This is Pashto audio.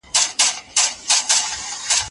افغان شاګردان د لوړو زده کړو پوره حق نه لري.